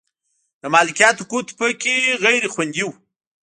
د مالکیت حقوق په کې غیر خوندي و.